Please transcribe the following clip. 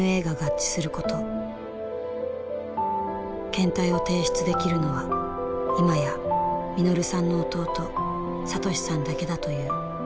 検体を提出できるのは今や實さんの弟敏さんだけだという。